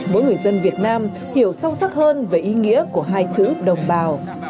mỗi người dân việt nam hiểu sâu sắc hơn về ý nghĩa của hai chữ đồng bào